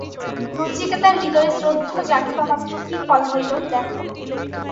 নচিকেতার হৃদয়ে শ্রদ্ধা জাগিবামাত্র কি ফল হইল, দেখ।